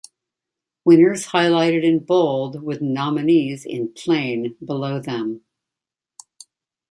"Winners highlighted in bold, with nominees, in "plain", below them.